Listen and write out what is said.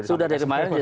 sudah dari kemarin